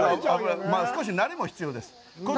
まあ少しなれも必要です。